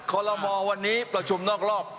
คอลโลมอวันนี้ประชุมนอกรอบ